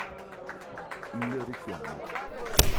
Il richiamo